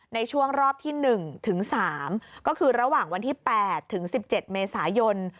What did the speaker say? ในช่วงรอบที่๑ถึง๓ก็คือระหว่างวันที่๘ถึง๑๗เมษายน